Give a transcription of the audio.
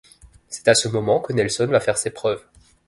C'est à ce moment que Nelson va faire ses preuves.